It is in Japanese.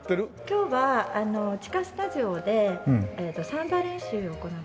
今日は地下スタジオでサンバ練習を行っています。